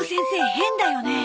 変だよね？